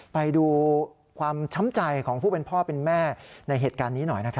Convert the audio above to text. ไปดูความช้ำใจของผู้เป็นพ่อเป็นแม่ในเหตุการณ์นี้หน่อยนะครับ